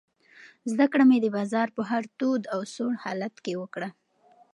زده کړه مې د بازار په هر تود او سوړ حالت کې وکړه.